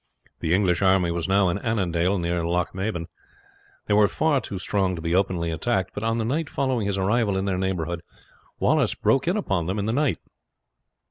The English army was now in Annandale, near Lochmaben. They were far too strong to be openly attacked, but on the night following his arrival in their neighbourhood Wallace broke in upon them in the night.